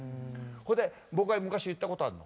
それで僕は昔言ったことあるの。